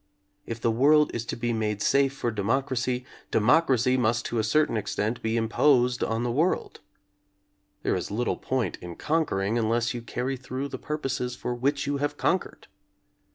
If the world is to be made safe for democracy, democracy must to a certain extent be imposed on the world. There is little point in conquering unless you carry through the purposes for which you have conquered.